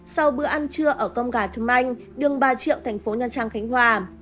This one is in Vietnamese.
sau bữa ăn trưa ở cơm gà trâm anh đường ba triệu thành phố nha trang khánh hòa